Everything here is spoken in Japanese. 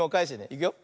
いくよ。